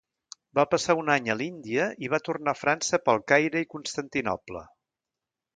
Va passar un any a l'Índia i va tornar a França pel Caire i Constantinoble.